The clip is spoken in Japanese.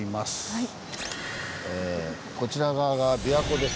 はい。